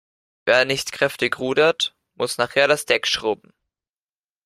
Wer nicht kräftig rudert, muss nachher das Deck schrubben.